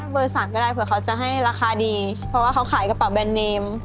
เบอร์๓ก็ได้เผื่อเขาจะให้ราคาดีเพราะว่าเขาขายกระเป๋าแบรนเนม